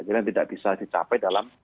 yang tidak bisa dicapai dalam